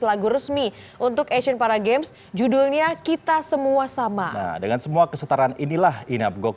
lagu resmi untuk asian para games judulnya kita semua sama dengan semua kesetaraan inilah inapgok